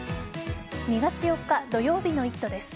２月４日土曜日の「イット！」です。